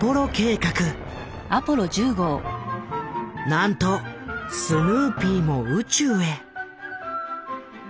なんとスヌーピーも宇宙へ。